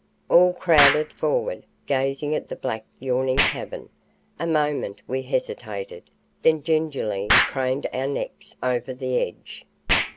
All crowded forward, gazing at the black yawning cavern. A moment we hesitated, then gingerly craned our necks over the edge.